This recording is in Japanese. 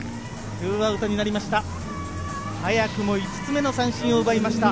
２アウトになりました。